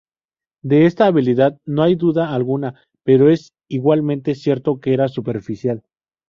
De esta habilidad no hay duda alguna, pero es igualmente cierto que era superficial.